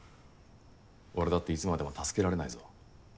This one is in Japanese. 俺だっていつまでも助けられないぞ。